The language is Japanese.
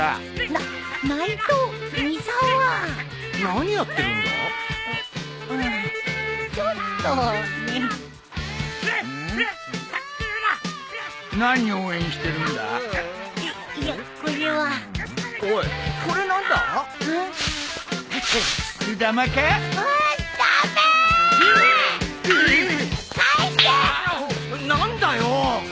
な何だよ。